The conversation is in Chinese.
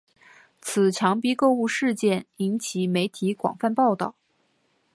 此强逼购物事件引起媒体广泛报道。